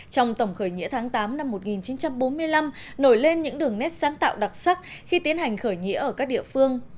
trong tổng khởi nghĩa tháng tám năm một nghìn chín trăm bốn mươi năm nổi lên những đường nét sáng tạo đặc sắc khi tiến hành khởi nghĩa ở các địa phương